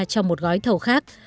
trong một gói thầu khác